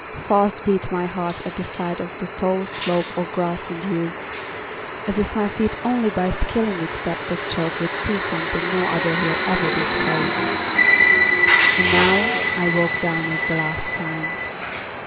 Fast beat My heart at the sight of the tall slope Or grass and yews, as if my feet Only by scaling its steps of chalk Would see something no other hill Ever disclosed. And now I walk Down it the last time.